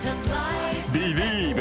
「ビリーヴ！